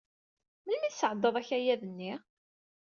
Melmi ay tesɛeddaḍ akayad-nni?